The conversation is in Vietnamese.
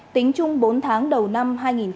tính chung bốn tháng đầu năm hai nghìn hai mươi